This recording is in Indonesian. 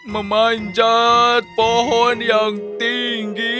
memanjat pohon yang tinggi